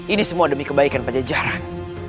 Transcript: ini semua demi kebaikan pajajaran